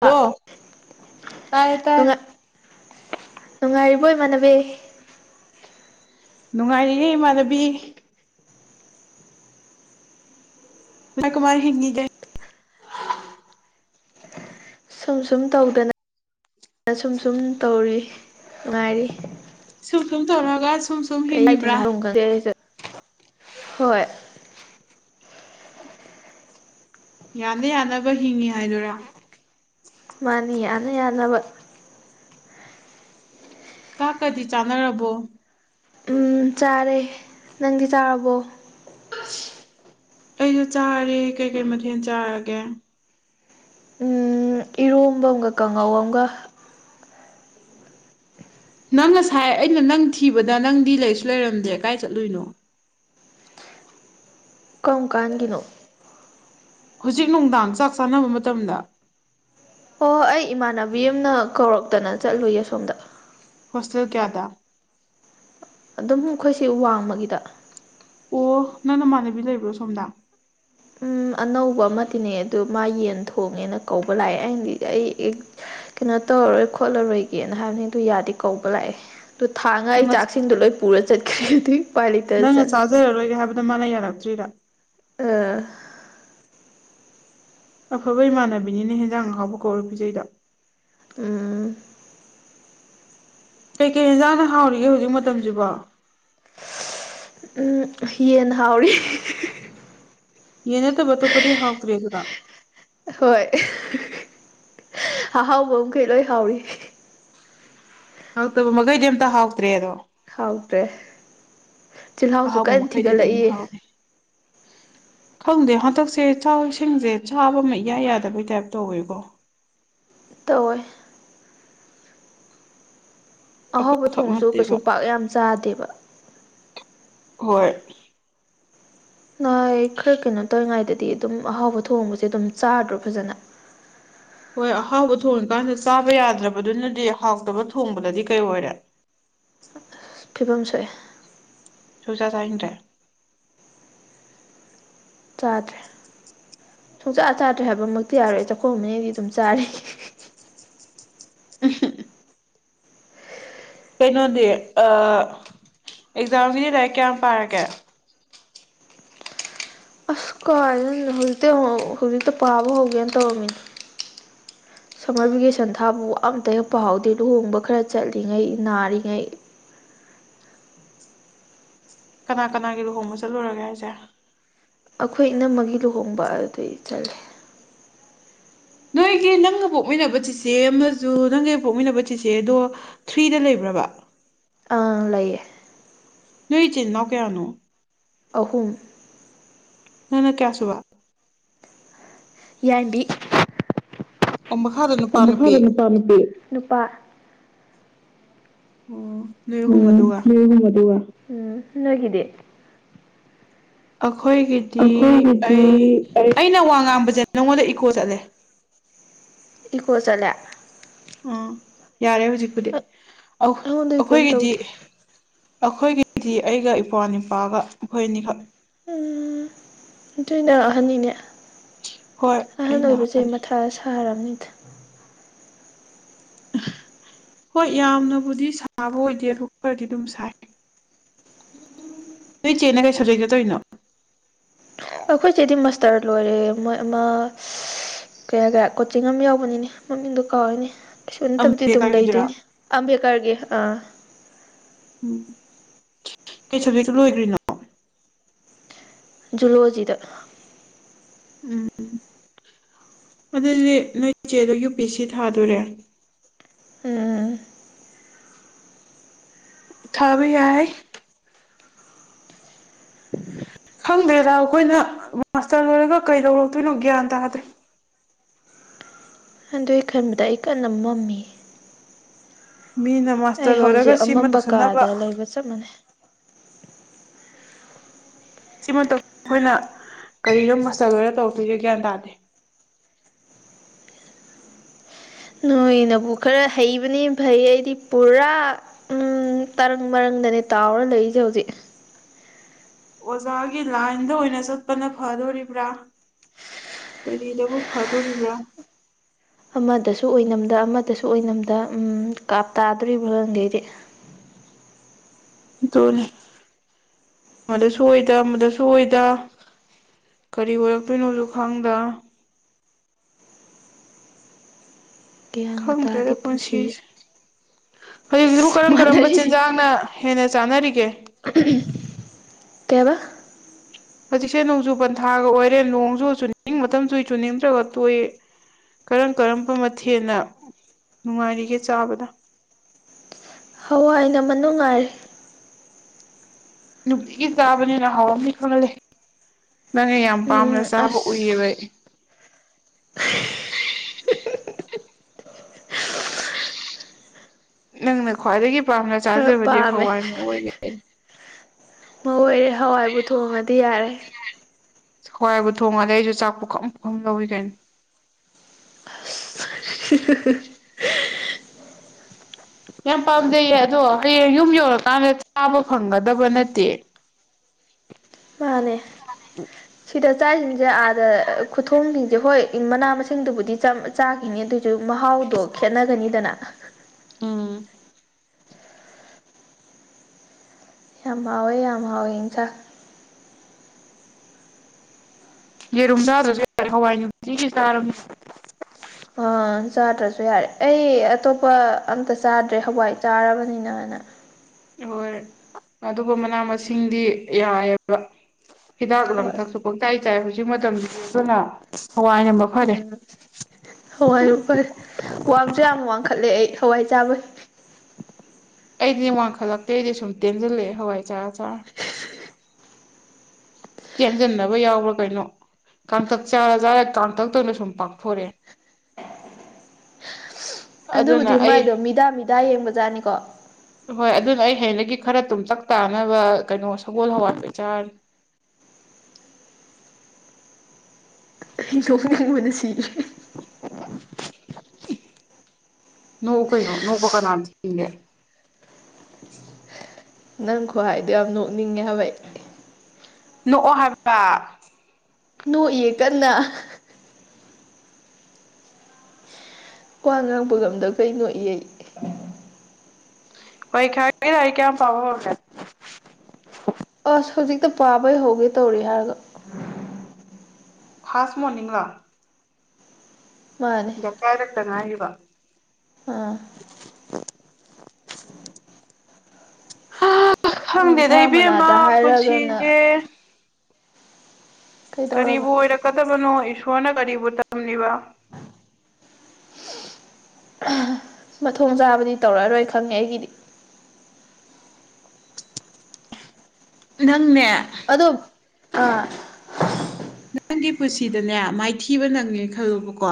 hello ꯇꯥꯏꯌꯦ ꯇꯥꯏ ꯅꯨꯡꯉꯥꯏꯔꯤꯕꯣꯏ ꯏꯃꯥꯟꯅꯕꯤ ꯅꯨꯡꯉꯥꯏꯔꯤꯌꯦ ꯏꯃꯥꯟꯅꯕꯤ ꯀꯃ ꯍꯤꯡꯅꯤꯗ ꯁꯨꯝ ꯁꯨꯝ ꯇꯧꯗꯅꯅ ꯁꯨꯝ ꯁꯨꯝ ꯇꯧꯔꯤ ꯉꯉꯥꯏꯔꯤ ꯁꯨꯝ ꯁꯨꯝꯇꯂꯒ ꯁꯨꯝ ꯁꯨꯝ ꯀꯩꯗꯅꯣ ꯍꯤꯡꯉꯤꯕ꯭ꯔꯥ ꯈꯪꯗꯦ ꯑꯩꯁꯨ ꯍꯣꯏ ꯌꯥꯅ ꯌꯥꯅꯕ ꯍꯤꯡꯉꯤ ꯍꯥꯏꯗꯨꯔꯥ ꯃꯥꯅꯤ ꯌꯥꯅ ꯌꯥꯅꯕ ꯀꯥꯀꯗꯤ ꯆꯥꯟꯅꯔꯕꯣ ꯎꯝ ꯆꯥꯔꯦ ꯅꯪꯗꯤ ꯆꯥꯔꯕꯣ ꯑꯩꯁꯨ ꯆꯥꯔꯦ ꯀꯩ ꯀꯩ ꯃꯊꯦꯜ ꯆꯥꯔꯒꯦ ꯎꯝ ꯏꯔꯣꯝꯕ ꯑꯃꯝꯒ ꯀꯥꯡꯉꯧ ꯑꯃꯒ ꯅꯪ ꯉꯁꯥꯏ ꯑꯩꯅ ꯅꯪ ꯊꯤꯕꯗ ꯅꯪꯗꯤ ꯂꯩꯁꯨ ꯂꯩꯔꯝꯗꯦ ꯀꯥꯏ ꯆꯠꯂꯨꯏꯅꯣ ꯀꯔꯝ ꯀꯥꯟꯒꯤꯅꯣ ꯍꯧꯖꯤꯛ ꯅꯨꯡꯗꯥꯡ ꯆꯥꯛ ꯆꯥꯅꯕ ꯃꯇꯝꯗ ꯑꯣ ꯑꯩ ꯏꯃꯥꯟꯅꯕꯤ ꯑꯃꯅ ꯀꯧꯔꯛꯇꯅ ꯆꯠꯂꯨꯏꯌꯦ ꯑꯁꯣꯝꯗ ꯍꯣꯁꯇꯦꯜ ꯀꯌꯥꯗ ꯑꯗꯨꯝ ꯑꯩꯈꯣꯏꯁꯦ ꯋꯥꯡꯃꯒꯤꯗ ꯑꯣ ꯅꯪ ꯅꯃꯥꯟꯅꯕꯤ ꯂꯩꯕ꯭ꯔꯣ ꯁꯣꯝꯗ ꯑꯅꯧꯕ ꯑꯃꯗꯤꯅꯦ ꯑꯗꯨꯗ ꯃꯥ ꯌꯦꯟ ꯊꯣꯡꯉꯦꯅ ꯀꯧꯕ ꯂꯥꯛꯑꯦ ꯑꯩꯅꯗꯤ ꯑꯩ ꯀꯩꯅꯣ ꯇꯧꯔꯔꯣꯏ ꯈꯣꯠꯂꯔꯣꯏꯒꯦꯅ ꯍꯥꯏꯕꯅꯤ ꯑꯗꯨ ꯌꯥꯗꯤ ꯀꯧꯕ ꯂꯥꯛꯑꯦ ꯑꯗꯨꯣ ꯊꯥꯡꯉꯥ ꯑꯩ ꯅꯪꯅ ꯆꯥꯛꯁꯤꯡꯗꯣ ꯂꯣꯏ ꯄꯨꯔ ꯆꯠꯈ꯭ꯔꯦ ꯑꯗꯨꯏ ꯏꯄꯥ ꯂꯤꯇꯔꯗ ꯆꯠꯂꯦ ꯐꯖꯔꯒꯦ ꯍꯥꯏꯕꯗꯣ ꯃꯥꯅ ꯌꯥꯔꯛꯇ꯭ꯔꯤꯔꯥ ꯑ ꯑꯐꯣꯏꯕꯩꯃꯥꯟꯅꯕꯤꯅꯤꯅ ꯍꯖꯥꯡ ꯍꯥꯎꯕꯨ ꯀꯧꯕꯧꯔ ꯎꯄꯤꯖꯩꯗꯣ ꯎꯝ ꯀꯩꯀꯩ ꯌꯦꯟꯖꯥꯡꯅ ꯍꯥꯎꯔꯤꯒꯦ ꯍꯧꯖꯤꯛ ꯃꯇꯝꯁꯤꯕꯣ ꯌꯦꯟ ꯍꯥꯎꯔꯤ ꯌꯦꯅꯇꯕꯠꯇꯣꯄꯇ ꯍꯥꯎꯈ꯭ꯔꯤ ꯑꯗꯨꯗ ꯍꯣꯏ ꯑꯍꯥꯎꯕ ꯑꯃꯈꯩ ꯂꯣꯏ ꯍꯥꯎꯔꯤ ꯍꯥꯎꯇꯕ ꯃꯈꯩꯗꯤ ꯑꯝꯇ ꯍꯥꯎꯇ꯭ꯔꯦ ꯑꯗꯣ ꯍꯥꯎꯗ꯭ꯔꯦ ꯆꯤꯜꯍꯥꯎꯁꯨ ꯑꯍꯥꯎꯕ ꯀꯟꯅ ꯃꯈꯩꯗꯤ ꯊꯤꯒꯠꯂꯛꯏ ꯂꯣꯏꯅ ꯍꯥꯎꯔꯦ [inaudible] ꯈꯪꯗꯦ ꯍꯟꯗꯛꯁꯦ ꯆꯥꯛ ꯏꯁꯤꯡꯁꯦ ꯆꯥꯕ ꯑꯃ ꯏꯌꯥ ꯌꯥꯗꯕꯩ ꯇꯥꯏꯞ ꯇꯧꯋꯦꯀꯣ ꯇꯧꯋꯏ ꯑꯍꯥꯎꯕ ꯑꯩꯈꯣꯏꯈꯛ ꯊꯣꯡꯉꯁꯨ ꯀꯩꯁꯨ ꯅꯠꯇꯦꯕ ꯄꯥꯛ ꯌꯥꯝ ꯆꯥꯗꯦꯕ ꯍꯣꯏ ꯅꯍ ꯈꯔ ꯀꯩꯅꯣ ꯇꯧꯔꯤꯉꯩꯗꯗꯤ ꯑꯗꯨꯝ ꯑꯍꯥꯎꯕ ꯊꯣꯡꯕꯁꯦ ꯑꯗꯨꯝ ꯆꯥꯗ꯭ꯔꯣ ꯐꯖꯅ ꯍꯣꯏ ꯑꯍꯥꯎꯕ ꯊꯣꯡꯉꯀꯥꯟꯗ ꯆꯥꯕ ꯌꯥꯗ꯭ꯔꯕꯗꯨꯅꯗꯤ ꯍꯥꯎꯇꯕ ꯊꯣꯡꯕꯗꯗꯤ ꯀꯩ ꯑꯣꯏꯔꯦ ꯑ ꯐꯤꯕꯝ ꯁꯣꯛꯑꯦ ꯁꯨꯖꯥ ꯆꯥ ꯍꯪꯗ꯭ꯔꯦ ꯆꯥꯗ꯭ꯔꯦ ꯁꯨꯡꯆꯥꯛ ꯆꯥꯗ꯭ꯔꯦ ꯍꯥꯏꯕꯃꯛꯇꯤ ꯌꯥꯔꯣꯏ ꯆꯥꯛꯈꯣ ꯑꯃꯩꯗꯤ ꯑꯗꯨꯝ ꯆꯥꯔꯤꯒꯦ [unintelligible] ꯀꯩꯅꯣꯗꯤ ꯑꯥ ꯑꯦꯛꯖꯥꯝꯒꯤꯗꯤ ꯂꯥꯏꯔꯤꯛ ꯀꯌꯥꯝ ꯄꯥꯔꯒꯦ ꯀꯣꯏ ꯍꯧꯖꯤꯛꯇꯤ ꯍꯧꯖꯤꯛꯇ ꯄꯥꯕ ꯍꯧꯒꯦꯅ ꯇꯧꯔꯝꯃꯤꯅꯦ [unintelligible] ꯁꯝꯃꯔ ꯚꯦꯀꯦꯁꯟ ꯊꯥꯕꯕꯨ ꯑꯃꯇ ꯍꯛꯄ ꯍꯥꯎꯗꯦ ꯂꯨꯍꯣꯡꯕ ꯈꯔ ꯆꯠꯂꯤꯉꯩ ꯅꯥꯔꯤꯉꯩ ꯀꯅꯥ ꯀꯅꯥꯒꯤ ꯂꯨꯍꯣꯡꯕ ꯆꯠꯂꯨꯔꯒꯦ ꯍꯥꯏꯁꯦ ꯑꯩꯈꯣꯏ ꯏꯅꯝꯃꯒꯤ ꯂꯨꯍꯣꯡꯕ ꯑꯗꯨꯗꯤ ꯆꯠꯂꯦ ꯅꯣꯏꯒꯤ ꯅꯪꯒ ꯄꯣꯛꯃꯤꯟꯅꯕ ꯆꯤꯁꯦ ꯑꯃꯁꯨ ꯅꯪꯒ ꯄꯣꯛꯃꯤꯟꯅꯕ ꯆꯤꯁꯦ ꯑꯗꯣ ꯊ꯭ꯔꯤꯗ ꯂꯩꯕ꯭ꯔꯕ ꯑꯪ ꯂꯩꯌꯦ ꯅꯣꯏ ꯏꯆꯤꯟ ꯏꯅꯥꯎ ꯀꯌꯥꯅꯣ ꯑꯍꯨꯝ ꯅꯪꯅ ꯀꯌꯥꯁꯨꯕ ꯌꯥꯗꯤ ꯑꯣ ꯃꯍ ꯃꯈꯥꯗꯅ ꯑꯣ ꯃꯁꯥꯗ ꯅꯨꯄꯥ ꯅꯨꯄꯤ ꯅꯨꯄꯥ ꯑꯣ ꯅꯣꯏ ꯑꯍꯨꯝ ꯑꯗꯨꯒ [unintelligible] ꯑꯩꯈꯣꯏꯒꯤꯗꯤ ꯑꯩꯈꯣꯏꯒꯤꯗꯤ ꯑꯩ ꯑꯩ ꯑꯩꯅ ꯋꯥ ꯉꯥꯡꯕꯁꯦ ꯅꯉꯣꯟꯗ ꯏꯀꯣ ꯆꯠꯂꯦ ꯏꯀꯣ ꯆꯂ ꯎꯝ ꯌꯥꯔꯦ ꯍꯧꯖꯤꯛꯄꯨꯗꯤ ꯑ ꯑꯩꯉꯣꯟꯗꯒꯤ ꯀꯩꯝ ꯑꯩꯈꯣꯏꯒꯤꯗꯤ ꯇꯧꯗꯦ ꯑꯩꯈꯣꯏꯒꯤꯗꯤ ꯑꯩꯒ ꯏꯄ꯭ꯋꯥꯅꯤꯄꯥꯒ ꯃꯈꯣꯏ ꯑꯅꯤꯈꯛ ꯎꯝ ꯑꯗꯨꯏꯅ ꯑꯍꯅꯤꯅꯦ ꯍꯣꯏ ꯑꯍꯜ ꯑꯩꯅ ꯑꯣꯏꯕꯁꯦ ꯃꯊꯥꯗ ꯁꯥꯔꯕꯅꯤꯗ ꯍꯣꯏ ꯌꯥꯝꯅꯕꯨꯗꯤ ꯁꯥꯥꯕ ꯑꯣꯏꯗꯦ ꯑꯗꯨ ꯈꯔꯗꯤ ꯑꯗꯨꯝ ꯁꯥꯏ ꯅꯣꯏ ꯏꯆꯦꯅ ꯀꯩ [unintelligible] ꯑꯩꯈꯣꯏꯁꯦꯗꯤ ꯃꯥꯁꯇꯔ ꯂꯣꯏꯔꯦ ꯃꯣꯏ ꯑꯃ ꯀꯌꯥ ꯀꯣꯆꯤꯡ ꯑꯃ ꯌꯥꯎꯕꯅꯤꯅꯦ ꯃꯃꯤꯡꯗꯣ ꯀꯥꯎꯔꯅꯦ ꯀꯩꯁꯨ ꯅꯠꯇꯕꯗꯤ ꯑꯗꯨꯝ ꯑꯝꯕꯦꯗꯀꯔꯒꯤꯗꯨꯔꯥ ꯂꯩꯗꯣꯏꯅꯦ ꯑꯝꯕꯦꯀꯔꯒꯤ ꯑꯥ ꯎꯝ ꯀꯩ ꯁꯨꯕꯖꯦꯠꯇ ꯂꯣꯏꯒ꯭ꯔꯤꯅꯣ ꯖꯨꯂꯣꯖꯤꯗ ꯎꯝ ꯑꯗꯨꯗꯤ ꯅꯣꯏ ꯏꯆꯦꯗꯣ ꯌꯨ ꯄ ꯁꯤ ꯊꯥꯗꯣꯔꯦ ꯎꯝ ꯊꯥꯕ ꯌꯥꯏ ꯈꯪꯗ꯭ꯔꯦꯗꯥ ꯑꯩꯈꯣꯏꯅ ꯃꯥꯁꯇꯔ ꯂꯣꯏꯔꯒ ꯀꯩꯗꯧꯔꯛꯇꯣꯏꯅꯣ ꯒ꯭ꯌꯥꯟ ꯇꯥꯗ꯭ꯔꯦ ꯑꯗꯨꯏ ꯈꯟꯕꯗ ꯑꯩ ꯀꯟꯅ ꯃꯝꯃꯤ ꯃꯤꯅ ꯑꯩ ꯃꯥꯁꯇꯔ ꯂꯣꯏꯔꯒ ꯍꯧꯖꯤꯛ ꯁꯤꯃ ꯑꯃꯝꯕ ꯇꯧꯁꯟꯅꯕ [unintelligible] ꯁꯤ ꯃꯇꯝ ꯑꯩꯈꯣꯏꯅ ꯀꯔꯤꯅꯣ ꯃꯁꯇꯔ ꯑꯣꯏꯔ ꯇꯧꯔꯛꯇꯣꯏꯒꯦ ꯒ꯭ꯌꯥꯟ ꯇꯥꯗꯦ ꯅꯣꯏꯅꯕꯨ ꯈꯔ ꯍꯩꯕꯅꯦ ꯐꯩ ꯑꯩꯗꯤ ꯄꯨꯔꯥ ꯎꯝ ꯇꯔꯪ ꯃꯔꯪꯗꯅꯦ ꯇꯥꯎꯔ ꯂꯩꯔꯤꯁꯦ ꯍꯧꯖꯤꯛ ꯑꯣꯖꯥꯒꯤ ꯂꯥꯏꯟꯗ ꯑꯣꯏꯅ ꯆꯠꯄꯅ ꯐꯗꯣꯔꯤꯕ꯭ꯔꯥ ꯀꯔꯤꯗꯕꯨ ꯐꯗꯣꯔꯤꯕ꯭ꯔ ꯑꯃꯗꯁꯨ ꯑꯣꯏꯅꯝꯗ ꯑꯃꯗꯁꯨ ꯑꯣꯏꯅꯝꯗ ꯎ ꯀꯥꯞ ꯇꯥꯗꯣꯔꯤꯕ꯭ꯔꯥ ꯈꯪꯗꯩꯗꯤ ꯑꯗꯨꯅꯦ ꯃꯗꯁꯨ ꯑꯣꯏꯗ ꯃꯗꯁꯨ ꯑꯣꯏꯗ ꯀꯔꯤ ꯑꯣꯏꯔꯛꯇꯣꯏꯅꯣꯁꯨ ꯈꯪꯗ ꯒ꯭ꯌꯥꯟꯒ ꯇꯥꯗꯦ ꯈꯪꯗ꯭ꯔꯦꯒ ꯄꯨꯟꯁꯤꯁꯦ ꯄꯨꯁꯤꯁ ꯍꯧꯖꯤꯛ ꯁꯤꯕꯨ ꯏꯁ ꯀꯔꯝ ꯀꯔꯝꯕ ꯃꯥꯟꯅꯔꯤ ꯆꯤꯟꯖꯥꯛꯅ ꯍꯦꯟꯅ ꯆꯥꯅꯔꯤꯒꯦ [unintelligible] ꯀꯌꯥꯕ ꯍꯧꯖꯤꯛꯁꯦ ꯅꯣꯡꯖꯨ ꯄꯟꯊꯥꯒ ꯑꯣꯏꯔꯦ ꯅꯣꯡꯁꯨ ꯆꯨꯅꯤꯡ ꯃꯇꯝꯁꯨ ꯆꯨꯅꯤꯡꯗ꯭ꯔꯒ ꯇꯣꯛꯏ ꯀꯔꯝ ꯀꯔꯝꯕ ꯃꯊꯦꯜꯅ ꯅꯨꯡꯉꯥꯏꯔꯤꯒꯦ ꯆꯥꯕꯗ ꯍꯋꯥꯏꯅ ꯃꯅꯨꯡꯉꯥꯏꯔꯦ ꯅꯨꯡꯇꯤꯒꯤ ꯆꯥꯕꯅꯤꯅ ꯍꯥꯎꯔꯝꯅꯤ ꯈꯜꯂꯦ ꯅꯪꯅ ꯌꯥꯝ ꯄꯥꯝꯅ ꯎꯝ ꯆꯥꯕ ꯎꯏꯌꯦꯕ ꯑꯁ ꯑꯩ [unintelligible] ꯅꯪꯅ ꯈ꯭ꯋꯥꯏꯗꯒꯤ ꯄꯥꯝꯅ ꯈꯔ ꯆꯥꯖꯕꯗꯤ ꯄꯥꯝꯃꯦ ꯍꯋꯥꯏꯃꯨꯛ ꯑꯣꯏꯒ ꯃꯧꯌꯦ ꯍꯋꯥꯏꯕꯨ ꯊꯣꯡꯉꯗꯤ ꯌꯥꯔꯦ ꯍꯋꯥꯏꯕꯨ ꯊꯣꯡꯉꯗꯤ ꯑꯩꯁꯨ ꯆꯥꯛ ꯄꯨꯈꯝ ꯄꯨꯈꯝ ꯂꯧꯏ ꯀꯩꯅꯣ [inaudible] ꯌꯥꯝ ꯄꯥꯝꯖꯩꯌꯦ ꯑꯗꯣ ꯍꯌꯦꯡ ꯌꯨꯝ ꯌꯧꯔꯀꯥꯟꯗ ꯆꯥꯕ ꯐꯪꯒꯗꯕ ꯅꯠꯇꯦ ꯃꯥꯅꯦ [unintelligible] ꯁꯤꯗ ꯆꯥꯏꯁꯤꯡꯁꯦ ꯑꯥꯗ ꯈꯨꯊꯣꯡꯁꯤꯡꯁꯦ ꯍꯣꯏ ꯃꯅꯥ ꯃꯁꯤꯡꯗꯨꯕꯨꯗꯤ ꯆꯥꯈꯤꯅꯤ ꯑꯗꯨꯑꯣꯏꯁꯨ ꯃꯍꯥꯎꯗꯣ ꯈꯦꯠꯅꯒꯅꯤꯗꯅ ꯑꯥ ꯌꯥꯝ ꯍꯥꯎꯋꯦ ꯌꯥꯝ ꯍꯥꯎꯋꯦ ꯌꯦꯟꯁꯥꯡ ꯌꯦꯔꯨꯝ ꯆꯥꯗꯁꯨ ꯌꯥ ꯍꯋꯥꯏ ꯅꯨꯡꯇꯤꯒꯤ ꯆꯥꯔꯝꯅꯤ ꯑ ꯆꯥꯗ꯭ꯔꯁꯨ ꯌꯥꯔꯦ ꯑꯩ ꯑꯇꯣꯞꯄ ꯑꯝꯇ ꯆꯥꯗ꯭ꯔꯦ ꯍꯋꯥꯏ ꯆꯥꯔꯕꯅꯤꯅꯅ ꯍꯣꯏ ꯑꯗꯨꯒ ꯃꯅꯥ ꯃꯁꯤꯡꯗꯤ ꯌꯥꯏꯑꯕ ꯍꯤꯗꯥꯛ ꯍꯣꯏ ꯂꯥꯡꯊꯛꯁꯨ ꯄꯪꯆꯥꯏ ꯆꯥꯏ ꯍꯧꯖꯤꯛ ꯃꯇꯝꯁꯤꯗꯤ ꯑꯗꯨꯅ ꯍꯋꯥꯏ ꯎꯝ ꯍꯋꯥꯏꯅ ꯐꯔꯦ ꯋꯥꯡꯁꯨ ꯌꯥꯝ ꯋꯥꯡꯈꯠꯂꯦ ꯑꯩ ꯍꯋꯥꯏ ꯆꯥꯕꯒꯤ ꯑꯩꯗꯤ ꯋꯥꯡꯈꯠꯂꯛꯇꯦ ꯑꯩꯗꯤ ꯁꯨꯝ ꯇꯦꯟꯁꯤꯜꯂꯛꯑꯦ ꯍꯋꯥꯏ ꯆꯥꯔꯥ ꯆꯥꯔꯥ ꯆꯦꯟꯖꯤꯟꯅꯕ ꯌꯥꯎꯕ꯭ꯔꯥ ꯀꯩꯅꯣ ꯀꯥꯡꯇꯛ ꯆꯥꯔ ꯆꯔꯒꯥ ꯀꯥꯡꯇꯛꯇꯧꯅ ꯁꯨꯝ ꯄꯥꯛꯊꯣꯔꯛꯑꯦ [inaudible] ꯑꯗꯨꯕꯨꯗꯤ ꯃꯥꯏꯗꯣ ꯑꯩ ꯃꯤꯗꯥ ꯃꯤꯗꯥ ꯌꯦꯡꯕꯖꯥꯠꯅꯤꯀꯣ ꯍꯣꯏ ꯑꯗꯨꯅ ꯑꯩ ꯍꯌꯦꯡꯗꯒꯤ ꯈꯔ ꯇꯨꯝꯇꯛ ꯇꯥꯥꯅꯕ ꯀꯩꯅꯣ ꯁꯒꯣꯜ ꯍꯋꯥꯏꯗꯣ ꯑꯣꯢꯅ ꯆꯥꯔꯅꯤ ꯑꯩ ꯅꯣꯛꯅꯤꯡꯕꯅꯥ ꯁꯤꯔꯦ ꯅꯣꯛꯎ ꯀꯩꯅꯣ ꯅꯣꯛꯄꯥ ꯀꯥꯅ ꯊꯤꯡꯒꯦ ꯅꯪ ꯈꯨꯍꯥꯏꯗꯣ ꯌꯥꯝ ꯅꯣꯛꯅꯤꯡꯉꯦ ꯍꯥꯏꯕ ꯑꯩ ꯅꯣꯛꯑꯣ ꯍꯥꯏꯕ ꯅꯣꯛꯏꯌꯦ ꯀꯟꯅ ꯋꯥ ꯉꯥꯡꯕ ꯉꯝꯗꯥꯈꯣꯏ ꯅꯣꯛꯏꯌꯦ ꯑꯩ ꯄꯥꯔꯤꯈꯥ ꯒꯤ ꯂꯥꯏꯔꯤꯛ ꯀꯌꯥꯝ ꯄꯕꯥ ꯍꯧꯔꯒꯦ ꯑꯁ ꯍꯧꯖꯤꯛꯇ ꯄꯥꯕꯩ ꯍꯧꯒꯦ ꯇꯧꯔꯤ ꯍꯥꯏꯔꯒ ꯐꯥꯥꯁ ꯃꯣꯔꯅꯤꯡꯂꯣ ꯃꯥꯅꯦ ꯌꯥꯀꯥꯏꯔꯛꯇ ꯉꯥꯏꯔꯤꯕꯣ ꯑꯥ ꯍꯥꯥ ꯍꯥ ꯈꯪꯗꯦꯗ ꯏꯟꯁꯥꯡ ꯏꯕꯦꯃꯃꯥ ꯃꯅꯥꯗ ꯄꯨꯟꯁꯤꯁꯦ ꯍꯥꯏꯔꯒꯅ ꯀꯩꯗꯧꯔꯕ ꯀꯔꯤꯕꯨ ꯑꯣꯏꯔꯛꯀꯗꯕꯅꯣ ꯏꯁꯣꯔꯅ ꯀꯔꯤꯕꯨ ꯇꯝꯂꯤꯕ ꯃꯊꯣꯡ ꯆꯥꯕꯗꯤ ꯇꯧꯔꯛꯑꯔꯣꯏ ꯈꯪꯉꯦ ꯑꯩꯒꯤꯗꯤ ꯅꯪꯅꯦ ꯑꯗꯣ ꯑ ꯅꯪꯒꯤ ꯄꯨꯟꯁꯤꯗꯅꯦ ꯃꯥꯏꯊꯤꯕ ꯅꯪꯉꯦ ꯈꯜꯂꯣꯕꯀꯣ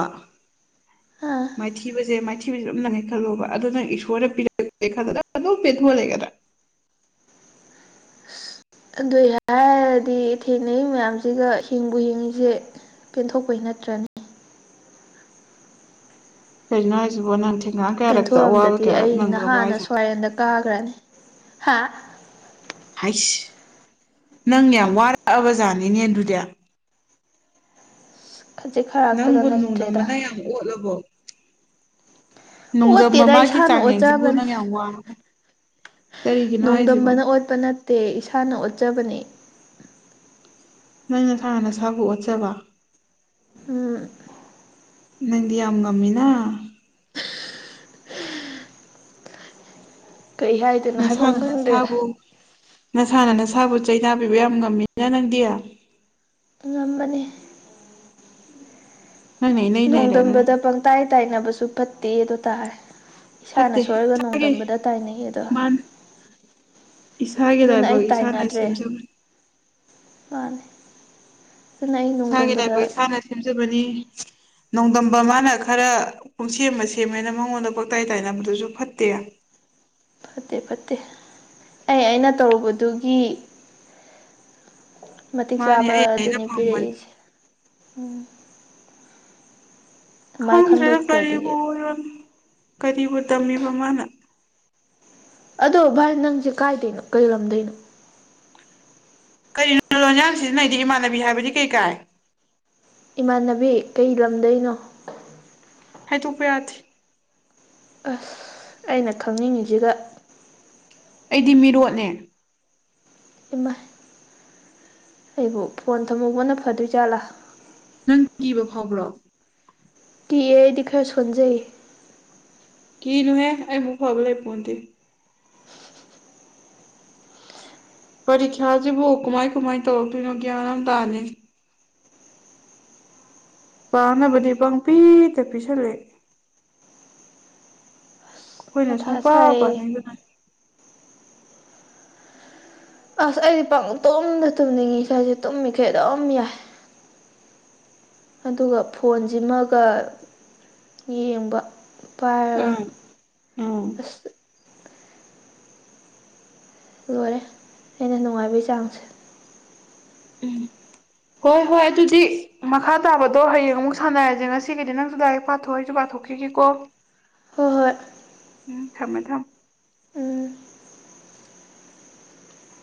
ꯑꯥ ꯃꯥꯏꯊꯤꯕꯁꯦ ꯃꯥꯏꯊꯤꯕꯁꯦ ꯑꯗꯨꯝ ꯅꯪꯉꯦꯅ ꯈꯜꯂꯣꯕ ꯑꯗꯨ ꯅꯪ ꯏꯁꯣꯔꯅ ꯄꯤꯔꯛ ꯄꯥꯅꯦ ꯈꯟꯂꯒ ꯅꯪ ꯑꯗꯨꯝ ꯄꯦꯟꯊꯣꯛ ꯑꯥ ꯂꯩꯒꯗꯔꯥ ꯑꯗꯨꯏ ꯍꯥꯏꯔꯗꯤ ꯊꯦꯡꯅꯩ ꯃꯌꯥꯝꯁꯤꯒ ꯍꯤꯡꯕꯨ ꯍꯤꯡꯅꯤꯡꯗꯔꯦ ꯄꯦꯟꯊꯣꯛꯄꯩ ꯅꯠꯇ꯭ꯔꯅꯤ ꯀꯩꯅꯣ ꯍꯥꯏꯁꯤꯕꯨ ꯅꯪ ꯊꯦꯡꯅ ꯄꯦꯟꯊꯣꯛꯑꯝꯗꯔꯗꯤ ꯑꯩ ꯅꯍꯥꯟꯅ ꯍꯥꯏꯁꯦ ꯁꯨꯋꯥꯔꯦꯟꯗ ꯀꯥꯈ꯭ꯔꯅꯤ ꯍꯥ ꯍꯥꯏꯁ ꯅꯪ ꯌꯥꯝ ꯋꯥꯔꯛꯑꯕ ꯖꯥꯠꯅꯤꯅꯦ ꯑꯗꯨꯗꯤ ꯈꯖꯤꯛ ꯈꯔꯥꯛꯇꯒ ꯅꯪꯕꯨ ꯅꯠꯇ꯭ꯔꯦꯗ ꯅꯣꯡꯗꯝꯕꯅ ꯌꯥꯝ ꯑꯣꯠꯂꯕꯣ ꯅꯣꯡꯗꯝꯕ ꯑꯣꯠꯇꯦꯗ ꯃꯥꯒꯤ ꯏꯁꯥꯅ ꯆꯥꯡꯌꯦꯡꯁꯤꯕꯨ ꯑꯣꯠꯆꯕꯅꯤ ꯅꯪ ꯌꯥꯝ ꯋꯥꯔꯕꯣ ꯀꯔꯤꯒꯤꯅꯣ ꯍꯥꯏꯁꯤꯕꯣ ꯅꯣꯡꯗꯝꯕꯅ ꯑꯣꯠꯄ ꯅꯠꯇꯦ ꯏꯁꯥꯅ ꯑꯣꯠꯆꯕꯅꯦ ꯅꯪ ꯅꯁꯥꯅ ꯅꯁꯥꯕꯨ ꯑꯣꯠꯆꯕ ꯎꯝ ꯅꯪꯗꯤ ꯌꯥꯝ ꯉꯝꯃꯤꯅ ꯀꯩ ꯍꯥꯏꯅꯣ ꯅꯁꯥꯅ ꯅꯁꯥꯕꯨ ꯅꯁꯥꯅ ꯅꯁꯥꯕꯨ ꯆꯩ ꯇꯕꯤꯕ ꯌꯥꯝ ꯉꯝꯃꯤꯅ ꯅꯪꯗꯤ ꯉꯝꯕꯅꯦ ꯅꯪꯅ ꯏꯅꯩ ꯅꯩꯔꯦꯅ ꯅꯣꯡꯗꯝꯕꯗ ꯄꯪꯇꯥꯏ ꯇꯥꯏꯅꯕꯁꯨ ꯐꯠꯇꯦ ꯗꯣ ꯇꯥꯔꯦ ꯏꯁꯥꯅ ꯐꯠꯇꯦ ꯁꯣꯏꯔꯒ ꯅꯣꯡꯗꯝꯕꯗ ꯏꯁꯥꯒꯤ ꯇꯥꯏꯅꯩꯌꯦꯗꯣ ꯃꯥꯅ ꯏꯁꯥꯒꯤ ꯑꯗꯨꯅ ꯑꯩ ꯂꯥꯏꯕꯛ ꯏꯁꯥꯅ ꯇꯥꯏꯅꯗ꯭ꯔꯦ ꯁꯦꯝꯖꯕꯅꯤ ꯃꯥꯅꯦ ꯑꯗꯨꯅ ꯑꯩ ꯏꯁꯥꯒꯤ ꯅꯣꯡꯗꯝꯕꯗ ꯂꯥꯏꯕꯛ ꯏꯁꯥꯅ ꯁꯦꯝꯖꯕꯅꯤ ꯅꯣꯡꯗꯝꯕ ꯃꯥꯅ ꯈꯔ ꯄꯨꯡꯁꯦꯝ ꯃꯁꯦꯝꯃꯦꯅ ꯃꯉꯣꯟꯗ ꯄꯪꯇꯥꯏ ꯇꯥꯏꯅꯕꯗꯨꯁꯨ ꯐꯠꯇꯦ ꯐꯠꯇꯦ ꯐꯠꯇꯦ ꯑꯩ ꯑꯩꯅ ꯇꯧꯔꯨꯕꯗꯨꯒꯤ ꯃꯇꯤꯛ ꯃꯥꯅꯦ ꯆꯥꯕ ꯑꯩ ꯑꯩꯅ ꯑꯗꯨꯅꯤ ꯐꯪꯕꯅꯤ ꯄꯤꯔꯛꯏꯁꯦ ꯎꯝ ꯑꯗꯨꯃꯥꯏ ꯈꯪꯗ꯭ꯔꯦꯗ ꯈꯟꯗꯣꯛꯇ꯭ꯔꯗꯤ ꯀꯔꯤꯕꯨ ꯑꯣꯏꯔꯣ ꯀꯔꯤꯕꯨ ꯇꯝꯃꯤꯕ ꯃꯥꯅ ꯑꯗꯣ ꯚꯥꯏ ꯅꯪꯁꯦ ꯀꯥꯏꯗꯩꯅꯣ ꯀꯩ ꯂꯝꯗꯩꯅꯣ ꯀꯔꯤꯅꯣ ꯂꯣꯟꯌꯥꯟ ꯁꯤꯖꯤꯟꯅꯩꯗꯤ ꯏꯃꯥꯟꯅꯕꯤ ꯍꯥꯏꯕꯗꯤ ꯀꯩꯀꯥꯏ ꯏꯃꯥꯟꯅꯕꯤ ꯀꯩ ꯂꯝꯗꯩꯅꯣ ꯍꯥꯏꯗꯣꯛꯄ ꯌꯥꯗꯦ ꯑꯁ ꯑꯩꯅ ꯈꯪꯅꯤꯡꯉꯤꯁꯤꯒ ꯑꯩꯗꯤ ꯃꯤꯔꯣꯠꯅꯦ ꯏꯃꯥ ꯑꯩꯕꯨ ꯐꯣꯟ ꯊꯝꯍꯧꯕꯅ ꯐꯗꯣꯏꯖꯥꯠꯂꯥ ꯅꯪ ꯀꯤꯕ ꯐꯥꯎꯕ꯭ꯔꯣ ꯀꯤꯑ ꯑꯩꯗꯤ ꯈꯔ ꯁꯣꯟꯖꯩꯌꯦ ꯀꯤꯅꯨꯍꯦ ꯑꯩ ꯑꯃꯨꯛ ꯐꯕ ꯂꯩꯄꯣꯟꯇꯦ ꯄꯔꯤꯈ꯭ꯌꯥꯁꯤꯕꯨ ꯀꯃꯥꯏ ꯀꯃꯥꯏ ꯇꯧꯔꯛꯇꯣꯏꯅꯣ ꯒ꯭ꯌꯥꯟ ꯑꯃ ꯇꯥꯗꯦ ꯄꯥꯅꯕꯗꯤ ꯄꯪꯄꯤꯗ ꯄꯤꯁꯜꯂꯦ ꯑꯩꯈꯣꯏꯅ ꯃꯊꯥ ꯁꯣꯡꯄ ꯁꯥꯏꯌꯦ ꯄꯥꯅꯤꯡꯗꯅ ꯑꯁ ꯑꯩꯗꯤ ꯄꯪꯇꯨꯝꯗ ꯇꯨꯝꯅꯤꯡꯉꯤ ꯏꯁꯥꯁꯦ ꯇꯨꯝꯃꯤꯈꯩ ꯑꯗꯨꯝ ꯌꯥꯏ ꯑꯗꯨꯒ ꯐꯣꯟꯁꯤꯃꯒ ꯌꯦꯡꯕ ꯄꯥꯏꯔꯒ ꯑꯥ ꯑꯥ ꯑꯁ ꯂꯣꯏꯔꯦ ꯑꯩꯅ ꯅꯨꯡꯉꯥꯏꯕꯩ ꯆꯥꯡꯁꯦ ꯎꯝ ꯍꯣꯏ ꯍꯣꯏ ꯑꯗꯨꯗꯤ ꯃꯈꯥ ꯇꯥꯕꯗꯣ ꯍꯌꯦꯡ ꯑꯃꯨꯛ ꯁꯥꯟꯅꯔꯁꯦ ꯉꯁꯤꯒꯤꯗꯤ ꯅꯪꯁꯨ ꯂꯥꯏꯔꯤꯛ ꯄꯥꯊꯣꯛ ꯑꯩꯁꯨ ꯄꯥꯊꯣꯛ ꯄꯊꯣꯛꯈꯤꯒꯦ ꯀꯣ ꯍꯣꯏ ꯍꯣꯏ ꯎꯝ ꯊꯝꯃꯦ ꯊꯝꯃꯦ ꯎꯝ